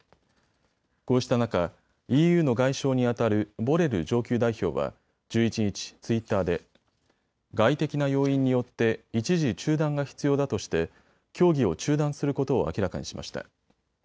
こうした中、ＥＵの外相にあたるボレル上級代表は１１日、ツイッターで外的な要因によって一時中断が必要だとして協議を中断することを明らかにしました。